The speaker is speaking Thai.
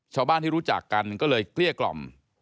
ชาวบ้านที่รู้จักกันก็เลยเกลี้ยกล่อม